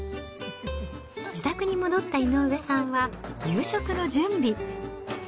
自宅に戻った井上さんは、夕食の準備。